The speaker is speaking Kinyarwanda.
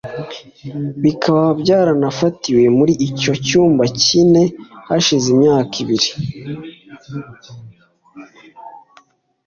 Bikaba byarafatiwe muri icyo cyumba nyine hashize imyaka ibiri